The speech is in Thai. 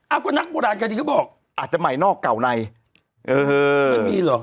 ก็นักโบราณคดีเขาบอกอาจจะใหม่นอกเก่าในเออมันมีเหรอ